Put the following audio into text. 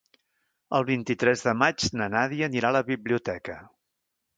El vint-i-tres de maig na Nàdia anirà a la biblioteca.